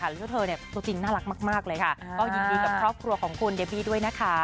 หรือว่าเธอตัวจริงน่ารักมากเลยค่ะก็ยินดีกับครอบครัวของคุณเดบี้ด้วยนะคะ